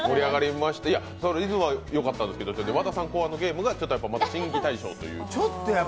リズムはよかったんですけど、和田さん考案のゲームがちょっとまた審議対象という。